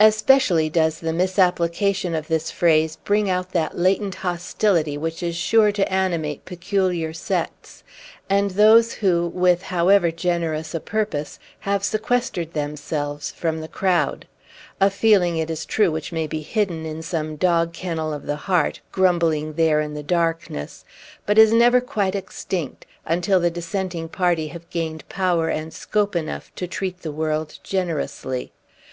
Especially does the misapplication of this phrase bring out that latent hostility which is sure to animate peculiar sects, and those who, with however generous a purpose, have sequestered themselves from the crowd; a feeling, it is true, which may be hidden in some dog kennel of the heart, grumbling there in the darkness, but is never quite extinct, until the dissenting party have gained power and scope enough to treat the world generously.